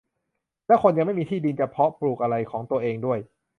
และคนยังไม่มีที่ดินจะเพาะปลูกอะไรของตัวเองด้วย